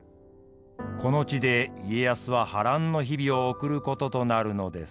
この地で家康は波乱の日々を送ることとなるのです。